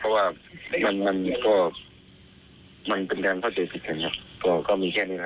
เพราะว่ามันก็มันเป็นการเข้าใจผิดใช่ไหมครับ